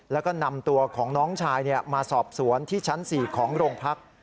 แล้วก็นำตัวของน้องชายมาสอบสวนที่ชั้น๔ของโรงพัก